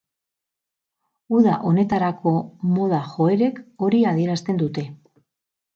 Uda honetarako moda joerek hori adierazten dute.